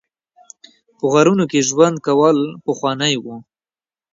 په غارونو کې ژوند کول پخوانی و